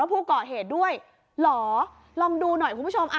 ว่าภูเกาะเหตุด้วยหรอลองดูหน่อยคุณผู้ชมอ่ะ